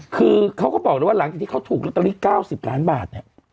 คือเขาก็บอกเลยว่าหลังจากที่เขาถูกลอตเตอรี่๙๐ล้านบาทเนี่ย